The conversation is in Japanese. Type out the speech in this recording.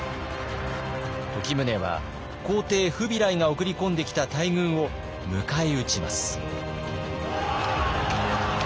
時宗は皇帝フビライが送り込んできた大軍を迎え撃ちます。